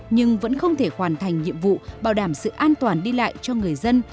nhưng vẫn không thể hoàn thành nhiệm vụ bảo đảm sự an toàn đi lại cho người dân